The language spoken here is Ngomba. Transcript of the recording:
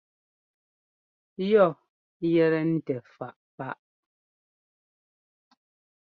Yɔ yɛ́tɛ́ ntɛ fáʼ pá?